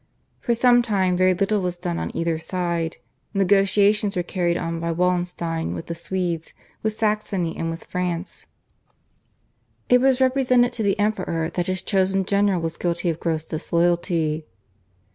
For some time very little was done on either side. Negotiations were carried on by Wallenstein with the Swedes, with Saxony, and with France. It was represented to the Emperor that his chosen general was guilty of gross disloyalty.